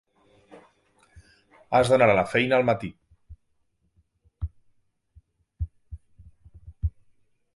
Has d'anar a la feina al matí.